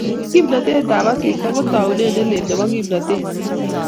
Kimnatetab asista ko taunet ne lel nebo kimnatet